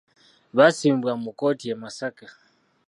Basimbibwa mu kkooti e Masaka.